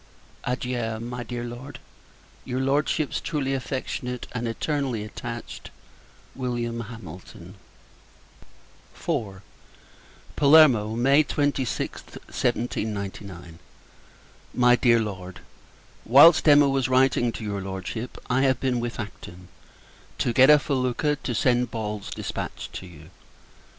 Adieu, my dear Lord! Your Lordship's truly affectionate, and eternally attached, Wm. HAMILTON. IV. Palermo, May 26th, 1799. MY DEAR LORD, Whilst Emma was writing to your Lordship, I have been with Acton, to get a felucca, to send Ball's dispatch to you.